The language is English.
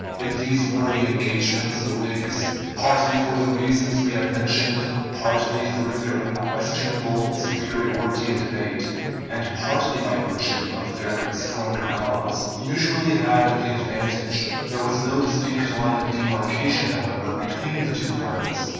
In these wordy engagements the Whigs, partly for the reasons we have mentioned, partly through their unquestionable superiority in debate, and partly by virtue of their stronger cause, usually had the advantage. There was no distinct line of demarcation, however, between the two parties.